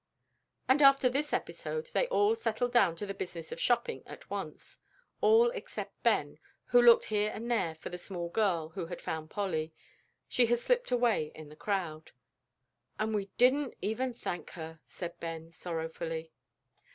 And after this episode they all settled down to the business of shopping at once; all except Ben, who looked here and there for the small girl who had found Polly. She had slipped away in the crowd. "And we didn't even thank her," said Ben, sorrowfully.